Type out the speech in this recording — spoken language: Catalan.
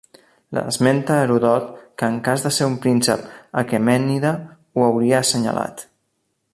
L'esmenta Heròdot que en cas de ser un príncep aquemènida ho hauria assenyalat.